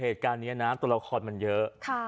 เหตุการณ์นี้นะตัวละครมันเยอะ